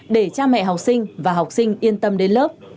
để cha mẹ học sinh và học sinh yên tâm đến lớp